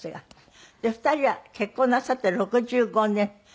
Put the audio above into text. ２人は結婚なさって６５年。